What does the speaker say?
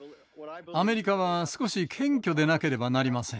アメリカは少し謙虚でなければなりません。